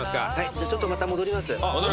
じゃちょっとまた戻ります。